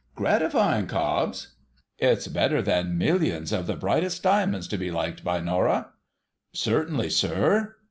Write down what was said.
' Gratifying, Cobbs ? It's better than millions of the brightest diamonds to be liked by Norah.' ' Cer tainly, sir.'